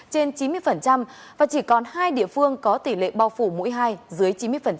trên chín mươi và chỉ còn hai địa phương có tỷ lệ bao phủ mũi hai dưới chín mươi